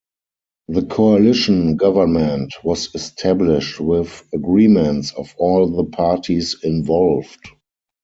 The coalition government was established with agreements of all the parties involved.